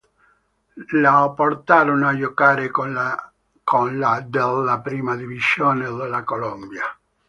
Lo portarono a giocare con l' della Prima Divisione della Colombia.